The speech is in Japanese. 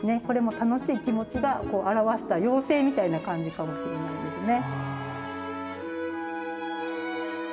これも楽しい気持ちが表した妖精みたいな感じかもしれないですね。